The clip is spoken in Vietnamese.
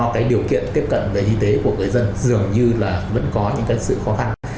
cái điều kiện tiếp cận về y tế của người dân dường như là vẫn có những cái sự khó khăn